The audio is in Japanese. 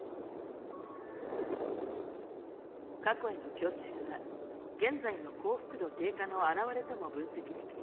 過去への郷愁は現在の幸福度低下の現れとも分析でき